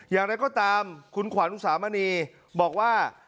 อย่างนั้นก็ตามคุณขวานลูกสามณีบอกว่า